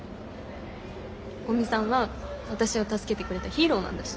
古見さんは私を助けてくれたヒーローなんだし。